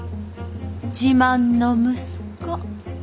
自慢の息子。